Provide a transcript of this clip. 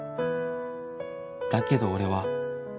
「だけど俺は」